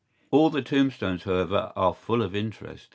¬Ý All the tombstones, however, are full of interest.